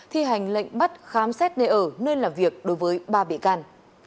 thi hành lệnh bắt khám xét nơi ở nơi làm việc đối với ba bị can